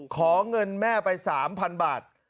ขอเงินแม่ไป๓๐๐๐บาท